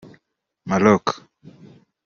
Moroc